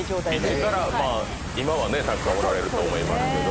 今はねたくさんおられると思いますけど。